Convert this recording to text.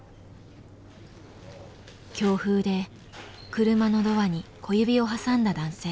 強風で車のドアに小指を挟んだ男性。